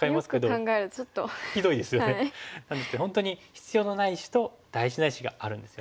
なんですけど本当に必要のない石と大事な石があるんですよね。